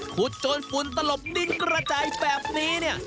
ขุดโจรฝุ่นตลบดินกระจายแบบนี้นี่